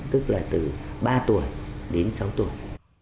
tức là từ ba tuổi đến sáu tuổi